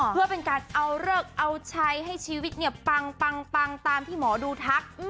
เพื่อเป็นการเอาเลิกเอาใช้ให้ชีวิตเนี่ยปังตามที่หมอดูทัก